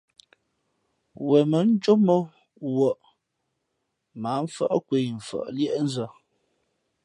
Wen mά njómα wαʼ mα ǎ mfάʼ nkwe yi mfα̌ʼ líéʼnzᾱ.